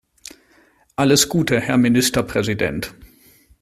Alles Gute, Herr Ministerpräsident!